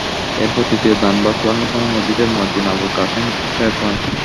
এরপর তৃতীয় দানবাক্স ভাঙার সময় মসজিদের মুয়াজ্জিন আবুল কাশেম টের পান।